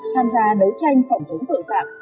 tham gia đấu tranh phòng chống tội phạm